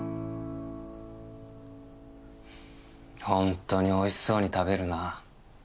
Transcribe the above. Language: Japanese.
本当においしそうに食べるな。